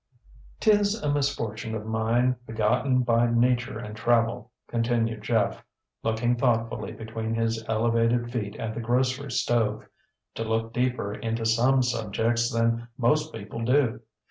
ŌĆ£ŌĆÖTis a misfortune of mine, begotten by nature and travel, ŌĆØ continued Jeff, looking thoughtfully between his elevated feet at the grocery stove, ŌĆ£to look deeper into some subjects than most people do.